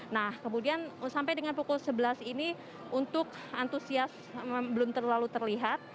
nah kemudian sampai dengan pukul sebelas ini untuk antusias belum terlalu terlihat